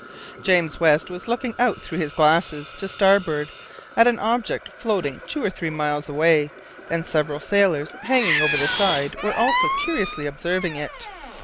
James West was looking out through his glasses to starboard at an object floating two or three miles away, and several sailors, hanging over the side, were also curiously observing it.